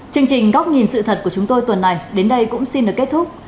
chương trình góc nhìn sự thật của chúng tôi tuần này đến đây cũng xin được kết thúc